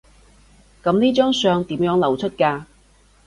噉呢張相點樣流出㗎？